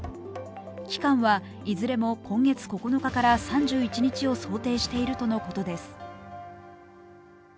期間はいずれも今月９日から３１日を想定しているとのことです。